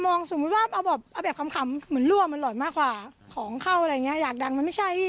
แต่มองสมมติว่าเอาแบบคำเหมือนรั่วมันหล่อยมากค่ะของเข้าอะไรอย่างเงี้ยอยากดังมันไม่ใช่พี่